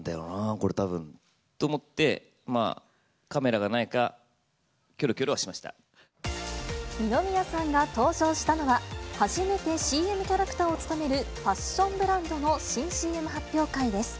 これたぶんと思って、カメラがないか、きょろ二宮さんが登場したのは、初めてＣＭキャラクターを務める、ファッションブランドの新ＣＭ発表会です。